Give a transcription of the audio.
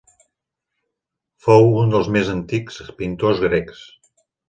Fou un dels més antics pintors grecs.